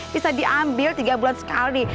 bisa diambil tiga bulan sekali